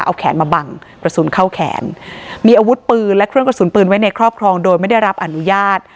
เอาแขนมาบังกระสุนเข้าแขนมีอาวุธปืนและเครื่องกระสุนปืนไว้ในครอบครองโดยไม่ได้รับอนุญาต